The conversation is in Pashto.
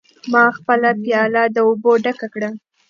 ما خپله پیاله د اوبو ډکه کړه.